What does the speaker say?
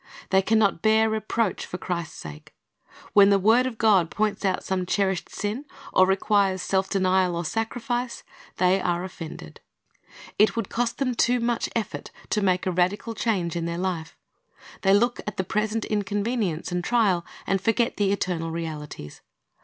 They can not bear reproach for Christ's sake. When the word of God points out some cherished sin, or requires self denial or sacrifice, they are offended. It 1 Luke 15 : 7 48 C hri s t'' s Object Lessons would cost them too much effort to make a radical change in their life. They look at the present inconvenience and trial, and forget the eternal realities.